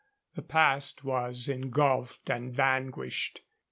The past was engulfed and vanquished.